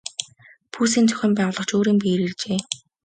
Пүүсийн зохион байгуулагч өөрийн биеэр иржээ.